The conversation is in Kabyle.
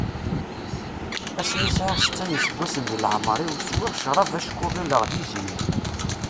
Asmi sɛiɣ setta n yiseggasen di leɛmer-iw, swiɣ crab acku ɣileɣ d iẓmi.